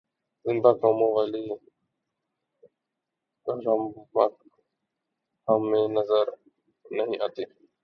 زندہ قوموں والی رمق ہم میں نظر نہیں آتی۔